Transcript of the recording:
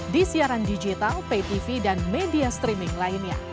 di siaran digital pay tv dan media streaming lainnya